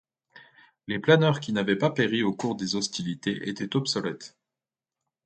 Les planeurs qui n'avaient pas péri au cours des hostilités étaient obsolètes.